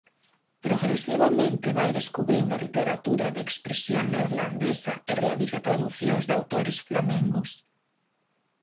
Progresivamente vai descubrindo a literatura de expresión neerlandesa e realiza traducións de autores flamengos.